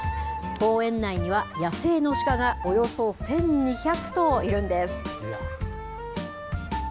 公園内には野生の鹿がおよそ１２００頭いるんです。